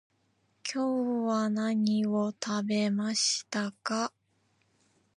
今日は何を食べましたか？